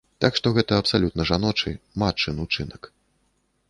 Так што гэта абсалютна жаночы, матчын учынак.